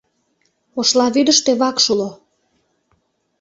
Ошла вӱдыштӧ вакш уло.